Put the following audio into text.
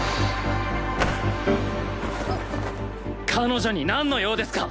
彼女になんの用ですか？